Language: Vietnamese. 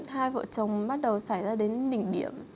hai vợ chồng bắt đầu xảy ra đến đỉnh điểm